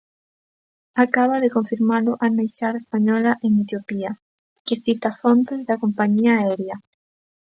Acaba de confirmalo a embaixada española en Etiopía, que cita fontes da compañía aérea.